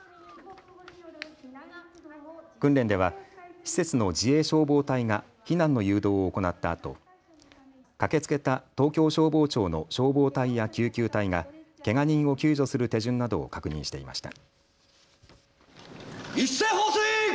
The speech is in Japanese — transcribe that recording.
訓練では施設の自衛消防隊が避難の誘導を行ったあと駆けつけた東京消防庁の消防隊や救急隊がけが人を救助する手順などを確認していました。